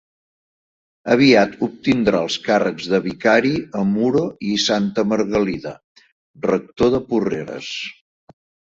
Aviat obtindrà els càrrecs de vicari a Muro i Santa Margalida; rector de Porreres.